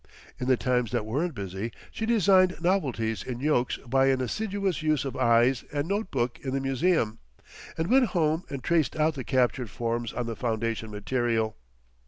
In the times that weren't busy she designed novelties in yokes by an assiduous use of eyes and note book in the museum, and went home and traced out the captured forms on the foundation material.